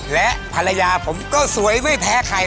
และภรรยาผมก็สวยไม่แพ้ใคร